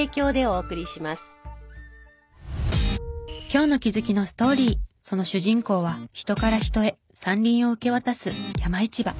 今日の気づきのストーリーその主人公は人から人へ山林を受け渡す山いちば。